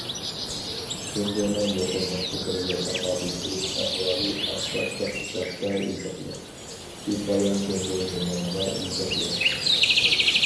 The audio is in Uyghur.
جۇڭگونىڭ يۇقۇملۇق كېسەلگە تاقابىل تۇرۇش ئەھۋالى ئاق تاشلىق كىتابتا يېزىقلىق، بىپايان جۇڭگو زېمىنىغا يېزىقلىق.